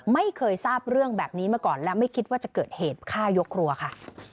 ไม่เคยทราบเรื่องแบบนี้มาก่อนและไม่คิดว่าจะเกิดเหตุฆ่ายกครัวค่ะ